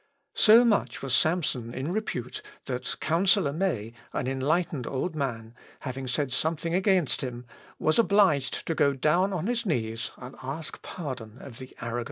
So much was Samson in repute, that Counsellor May, an enlightened old man, having said something against him, was obliged to go down on his knees, and ask pardon of the arrogant monk.